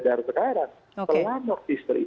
dari sekarang selama istri